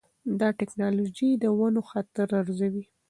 دا ټکنالوجي د ونو خطر ارزوي.